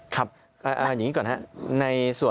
ครับเอาอย่างนี้ก่อนครับ